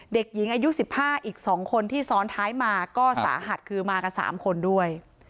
เด็กหญิงอายุ๑๕อีก๒คนที่ซ้อนท้ายมาก็สาหัสคือมากัน๓คนด้วย